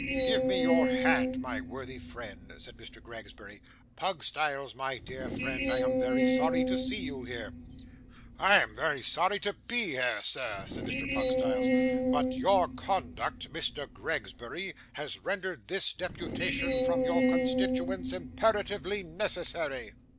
'Give me your hand, my worthy friend,' said Mr. Gregsbury. 'Pugstyles, my dear friend, I am very sorry to see you here.' 'I am very sorry to be here, sir,' said Mr. Pugstyles; 'but your conduct, Mr. Gregsbury, has rendered this deputation from your constituents imperatively necessary.